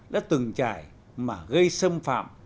đã từng trải mà gây xâm phạm